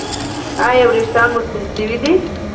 ایا ویښتان مو سپین شوي دي؟